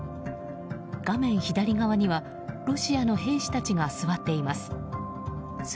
画面左側にはロシアの兵士たちが座っています。